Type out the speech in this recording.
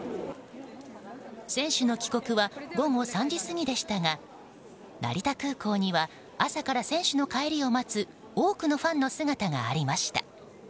選手の帰国は午後３時過ぎでしたが成田空港には朝から選手の帰りを待つ多くのファンの姿がありました。